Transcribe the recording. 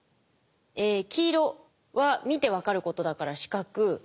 え黄色は見て分かることだから視覚。